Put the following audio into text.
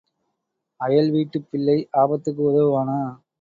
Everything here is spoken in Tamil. அயல் வீட்டுப் பிள்ளை ஆபத்துக்கு உதவுவானா?